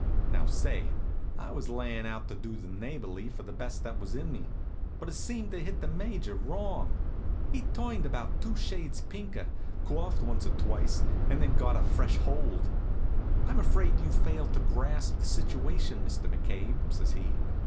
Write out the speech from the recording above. Now, say, I was layin' out to do the neighborly for the best that was in me; but it seemed to hit the Major wrong. He turned about two shades pinker, coughed once or twice, and then got a fresh hold. "I'm afraid you fail to grasp the situation, Mr. McCabe," says he.